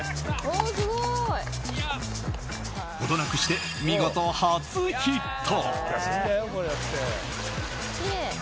程なくして見事初ヒット。